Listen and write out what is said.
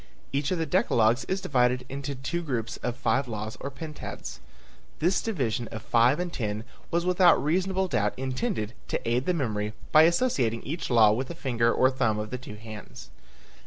Each of the decalogues is divided into two groups of five laws or pentads. This division of five and ten was without reasonable doubt intended to aid the memory by associating each law with a finger or thumb of the two hands.